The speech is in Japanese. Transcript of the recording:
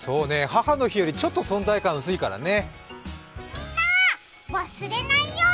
母の日よりちょっと存在感薄いからね。